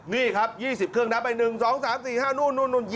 นี่ครับ๒๐เครื่องนับไป๑๒๓๔๕นู่น